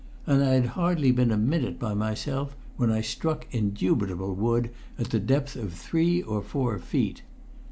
And I had hardly been a minute by myself when I struck indubitable wood at the depth of three or four feet.